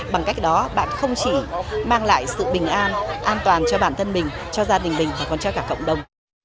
bằng cách đó bạn không chỉ mang lại sự bình an an toàn cho bản thân mình cho gia đình mình mà còn cho cả cộng đồng